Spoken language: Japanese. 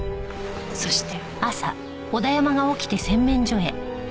そして。